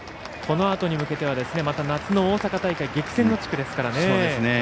このあとに向けては夏の大阪大会激戦の地区ですからね。